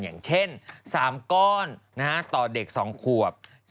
อย่างเช่น๓ก้อนต่อเด็ก๒ขวบ